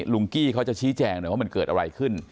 กี้เขาจะชี้แจงหน่อยว่ามันเกิดอะไรขึ้น